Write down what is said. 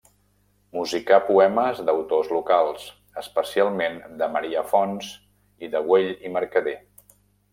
Musicà poemes d'autors locals, especialment de Marià Fonts i de Güell i Mercader.